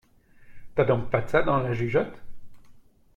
T'as donc pas de ça dans la jugeote!